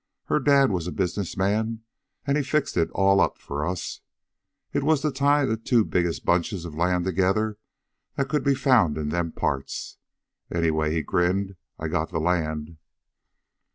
Her dad was a business man, and he fixed it all up for us. It was to tie the two biggest bunches of land together that could be found in them parts. Anyway" he grinned "I got the land!"